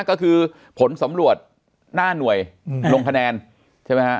ก็คือผลสำรวจหน้าหน่วยลงคะแนนใช่ไหมฮะ